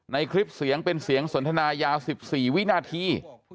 ในคลิปเสียงเป็นเสียงสนทนายาว๑๔วินาที